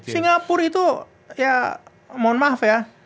singapura itu ya mohon maaf ya